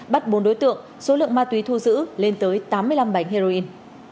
bắt bốn đối tượng số lượng ma túy thu giữ lên tới tám mươi năm bánh heroin